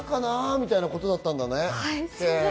みたいなことだったんだね。